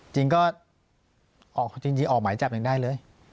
จริงออกหมายจับหนึ่งได้เลย